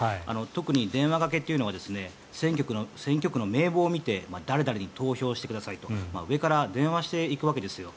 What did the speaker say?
特に電話掛けというのは選挙区の名簿を見て誰々に投票してくださいと上から電話していくわけですよ。